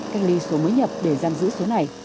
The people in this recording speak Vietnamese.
cách ly số mới nhập để giam giữ số này